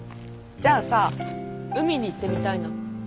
じゃあさ海に行ってみたいな。